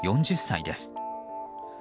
４０歳です。